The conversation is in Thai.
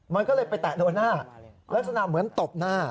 มันก็เลยไปแตะโดนหน้าลักษณะเหมือนตบหน้า